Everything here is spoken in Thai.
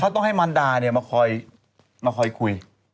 เขาต้องให้มันดาเนี่ยมาคอยคุย